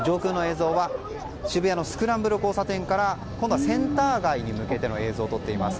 上空の映像は渋谷のスクランブル交差点から今度はセンター街に向けての映像を撮っています。